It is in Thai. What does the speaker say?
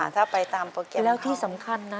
ถ้าไปตามโปรเก็ตแล้วที่สำคัญนะ